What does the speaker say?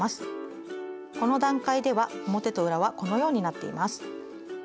この段階では表と裏はこのようになっています。